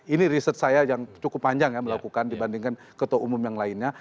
ini riset saya yang cukup panjang ya melakukan dibandingkan ketua umum yang lainnya